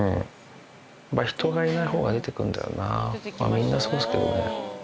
みんなそうですけどね。